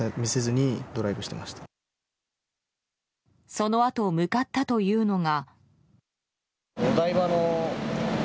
そのあと向かったというのが。